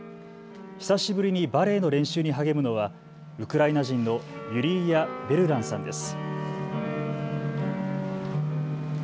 久しぶりにバレエの練習に励むのはウクライナ人のユリーア・ヴェルランさんです。